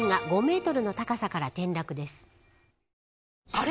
あれ？